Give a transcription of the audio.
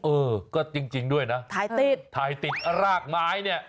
เออก็จริงด้วยนะถ่ายติดรากไม้เนี่ยถ่ายติด